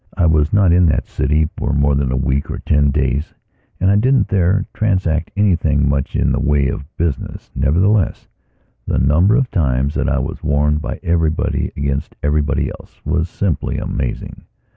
I was not in that city for more than a week or ten days and I didn't there transact anything much in the way of business; nevertheless, the number of times that I was warned by everybody against everybody else was simply amazing.